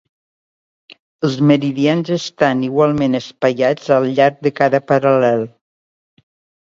Els meridians estan igualment espaiats al llarg de cada paral·lel.